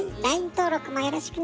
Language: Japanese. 登録もよろしくね。